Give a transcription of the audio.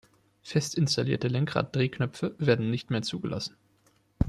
Fest installierte Lenkrad-Drehknöpfe werden nicht mehr zugelassen.